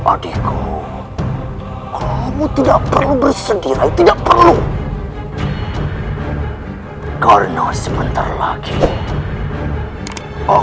aku memikirkan malah dewi